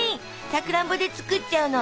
さくらんぼで作っちゃうの。